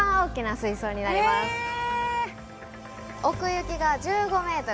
奥行きが１５ｍ。